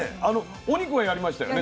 お肉はやりましたよね。